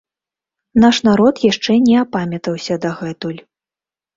Наш народ яшчэ не апамятаўся дагэтуль.